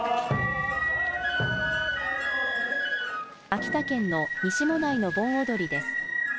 秋田県の西馬音内の盆踊です。